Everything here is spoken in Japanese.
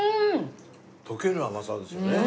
溶ける甘さですよね。